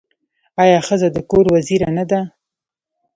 آیا ښځه د کور وزیره نه ده؟